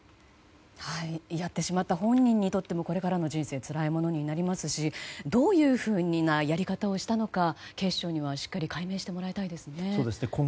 やってしまった本人にとってもこれからの人生つらいものになりますしどういうふうなやり方をしたのか警視庁にはしっかり解明してもらいたいですね。